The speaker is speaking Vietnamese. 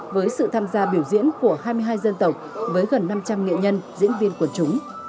với sự tham gia biểu diễn của hai mươi hai dân tộc với gần năm trăm linh nghệ nhân diễn viên quần chúng